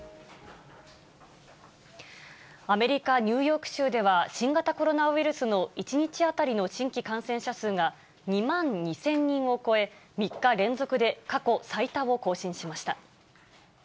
アメリカ・ニューヨーク州では、新型コロナウイルスの１日当たりの新規感染者数が２万２０００人を超え、３日連続で過去最多を更新しました。